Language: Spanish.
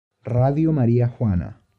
Radio María Juana